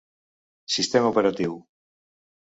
Sistema operatiu: